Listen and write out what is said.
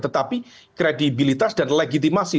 tetapi kredibilitas dan legitimasi